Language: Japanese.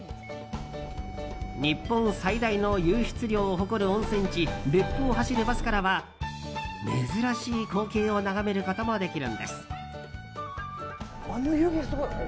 日本最大の湧出量を誇る温泉地、別府を走るバスからは珍しい光景を眺めることもできるんです。